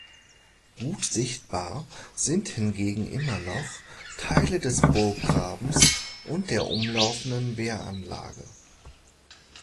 Gut sichtbar sind hingegen immer noch Teile des Burggrabens und der umlaufenden Wehranlage.